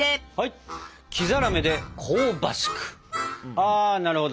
あなるほど。